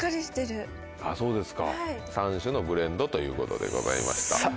あぁそうですか。３種のブレンドということでございました。